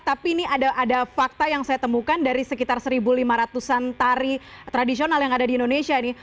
tapi ini ada fakta yang saya temukan dari sekitar seribu lima ratusan tari tradisional yang ada di indonesia nih